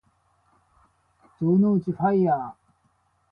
城之内ファイアー